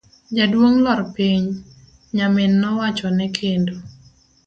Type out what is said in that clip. Jaduong' lor piny, nyamin nowachone kendo.